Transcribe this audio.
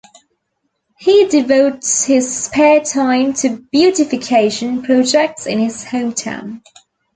He devotes his spare time to beautification projects in his hometown.